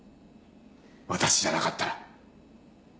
私じゃなかったら。